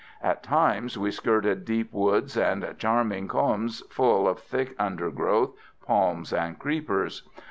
At times we skirted deep woods and charming combes full of thick undergrowth, palms and creepers.